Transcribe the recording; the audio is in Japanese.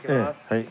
はい。